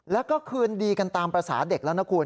แล้วก็คืนดีกันตามภาษาเด็กแล้วนะคุณ